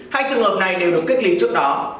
hai trường hợp này đều được kết lý trước đó